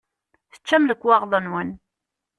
Teččam lekwaɣeḍ-nwen.